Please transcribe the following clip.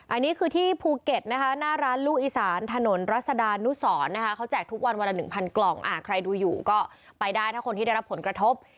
อันนี้คือที่ภูเก็ตนะคะหน้าร้านลูกอีสานถนนรัศดานุสรนะคะเขาแจกทุกวันวันละ๑๐๐กล่องใครดูอยู่ก็ไปได้ถ้าคนที่ได้รับผลกระทบ